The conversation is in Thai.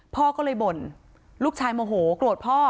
พ่อก็เลยบ่นลูกชายโมโหโกรธพ่อ